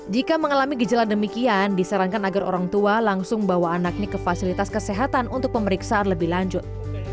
jika mengalami gejala demikian disarankan agar orang tua langsung bawa anak ini ke fasilitas kesehatan untuk pemeriksaan lebih lanjut